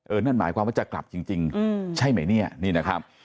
นั่นหมายความว่าจะกลับจริงใช่ไหมเนี่ยนี่นะครับ